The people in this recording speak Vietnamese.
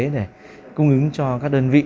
để cung ứng cho các đơn vị